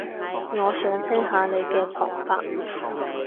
我想聽下你嘅旁白